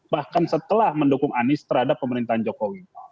bahkan setelah mendukung anies terhadap pemerintahan jokowi